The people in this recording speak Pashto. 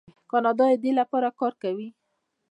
کاناډا د دې لپاره کار کوي.